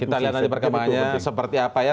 kita lihat nanti perkembangannya seperti apa ya